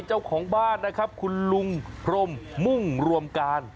เจ้าของบ้านนะครับคุณลุงพรมมุ่งรวมการ